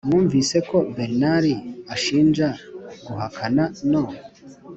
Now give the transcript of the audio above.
mwumvise ko bernard ashinja guhakana no